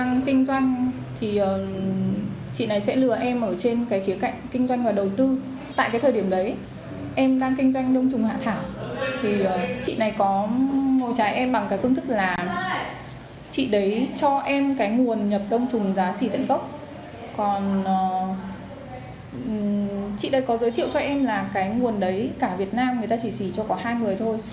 giới thiệu cho em là cái nguồn đấy cả việt nam người ta chỉ xỉ cho có hai người thôi